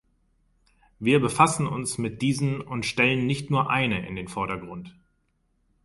Wir befassen uns mit diesen und stellen nicht nur eine in den Vordergrund.